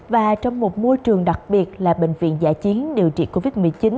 và trong một môi trường đặc biệt là bệnh viện giã chiến điều trị covid một mươi chín